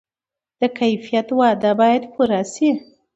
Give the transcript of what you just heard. د کیفیت وعده باید پوره شي.